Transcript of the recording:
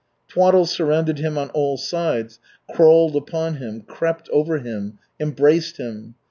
Twaddle surrounded him on all sides, crawled upon him, crept over him, embraced him.